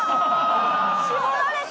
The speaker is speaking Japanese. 絞られた！